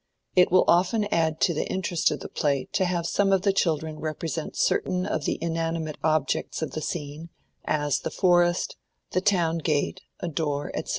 It will often add to the interest of the play to have some of the children represent certain of the inanimate objects of the scene, as the forest, the town gate, a door, etc.